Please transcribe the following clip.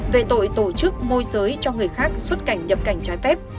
về tội tổ chức môi giới cho người khác xuất cảnh nhập cảnh trái phép